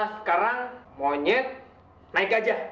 sekarang monyet naik gajah